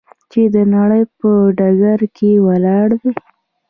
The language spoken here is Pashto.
چې د نړۍ په ډګر کې ولاړ دی.